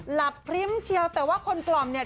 พริ้มเชียวแต่ว่าคนกล่อมเนี่ย